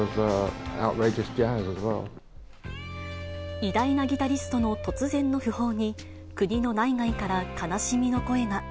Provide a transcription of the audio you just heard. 偉大なギタリストの突然の訃報に、国の内外から悲しみの声が。